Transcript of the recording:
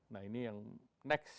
nah ini yang next